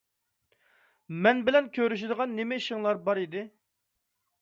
مەن بىلەن كۆرۈشىدىغان نېمە ئىشىڭلار بار ئىدى؟